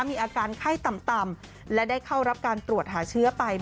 มีอาการไข้ต่ำและได้เข้ารับการตรวจหาเชื้อไป